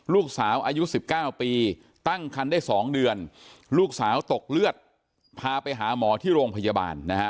ลูกสาวอายุ๑๙ปีตั้งคันได้๒เดือนลูกสาวตกเลือดพาไปหาหมอที่โรงพยาบาลนะฮะ